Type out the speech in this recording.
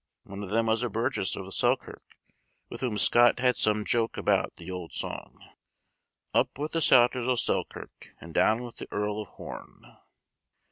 One of them was a burgess of Selkirk, with whom Scott had some joke about the old song: "Up with the Souters o' Selkirk, And down with the Earl of Horne."